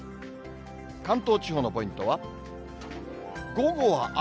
関東地方のポイントは、午後は雨。